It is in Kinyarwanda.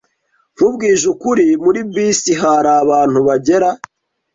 Nkubwije ukuri, muri bisi hari abantu bagera